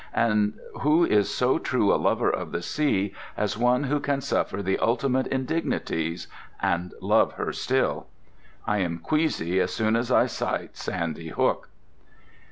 And who is so true a lover of the sea as one who can suffer the ultimate indignities—and love her still! I am queasy as soon as I sight Sandy Hook....